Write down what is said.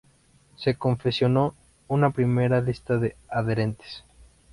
Se confeccionó una primera lista de adherentes.